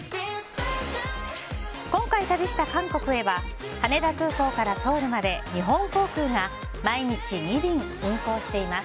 今回、旅した韓国へは羽田空港からソウルまで日本航空が毎日２便運航しています。